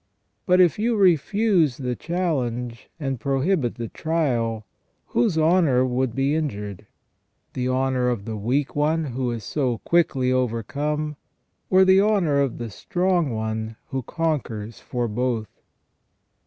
But if you refuse the challenge and prohibit the trial, whose honour would be injured ? The honour of the weak one who is so quickly overcome, or the honour of the strong one who conquers for both